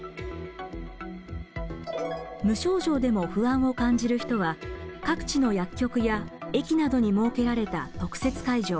無症状でも不安を感じる人は各地の薬局や駅などに設けられた特設会場